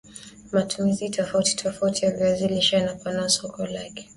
Matumizi tofauti tofauti ya viazi lishe yanapanua soko lake